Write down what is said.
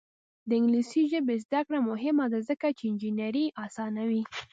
د انګلیسي ژبې زده کړه مهمه ده ځکه چې انجینري اسانوي.